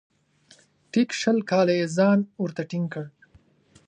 ټیک شل کاله یې ځان ورته ټینګ کړ .